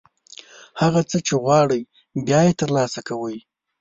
هغه څه چې غواړئ، بیا یې ترلاسه کوئ.